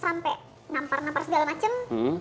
sampai nampar nampar segala macem